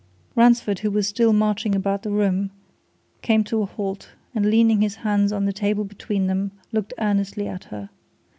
Ransford, who was still marching about the room, came to a halt, and leaning his hands on the table between them, looked earnestly at her.